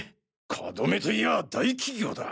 カドメといやあ大企業だ！